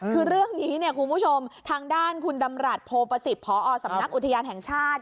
คือเรื่องนี้เนี่ยคุณผู้ชมทางด้านคุณดำรัฐโพประสิทธิ์พอสำนักอุทยานแห่งชาติ